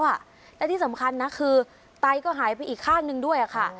และที่สำคัญนะคือไตก็หายไปอีกข้างหนึ่งด้วยค่ะ